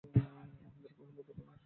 মহেন্দ্র কহিল, এখনই শুইতে যাইব কেন।